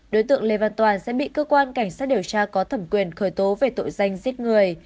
đối tượng lê văn toàn sẽ bị cơ quan cảnh sát điều tra có thẩm quyền khởi tố về tội danh giết người